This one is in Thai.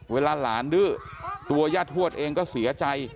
เวลาหลานดื้อตัวย่าทวดเองก็เสียใจ